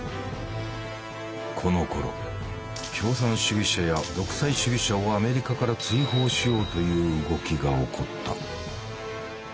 このころ共産主義者や独裁主義者をアメリカから追放しようという動きが起こった。